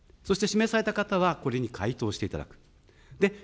そして指名された方は、これに回答していただく。